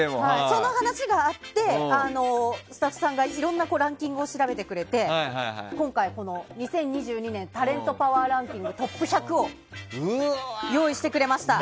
その話があってスタッフさんがいろんなランキングを調べてくれて今回、２０２２年タレントパワーランキングトップ１００を用意してくれました。